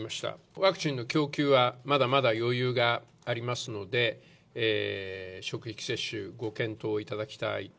ワクチンの供給は、まだまだ余裕がありますので、職域接種、ご検討いただきたい。